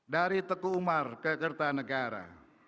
dari teguh umar ke kertanegara